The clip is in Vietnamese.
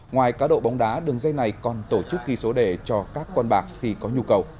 ngoài cá độ bóng đá đường dây này còn tổ chức ghi số đề cho các con bạc khi có nhu cầu